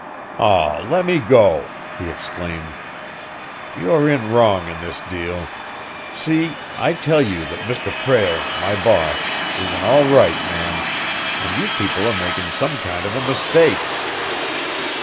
"Aw, let me go!" he exclaimed. "You're in wrong in this deal; see? I tell you that Mr. Prale, my boss, is an all right man, and you people are makin' some kind of a mistake."